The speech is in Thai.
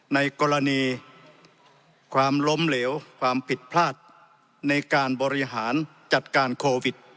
ในกรณีความล้มเหลวความผิดพลาดในการบริหารจัดการโควิด